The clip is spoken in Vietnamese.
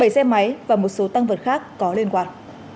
bảy xe máy và một số tăng vật khác có liên quan